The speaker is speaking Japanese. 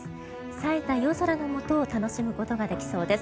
冴えた夜空のもと楽しむことができそうです。